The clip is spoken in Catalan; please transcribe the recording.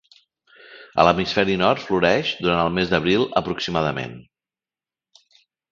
A l'hemisferi nord floreix durant el mes d'abril aproximadament.